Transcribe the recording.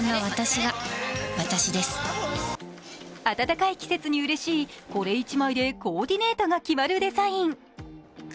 暖かい季節にうれしいこれ一枚でコーディネートが決まるデザイン。